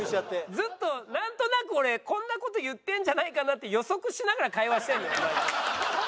ずっとなんとなく俺こんな事言ってるんじゃないかなって予測しながら会話してるのよお前と。